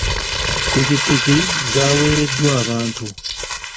Ppikipiki zaaweereddwa abantu.